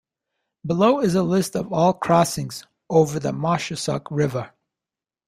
Below is a list of all crossings over the Moshassuck River.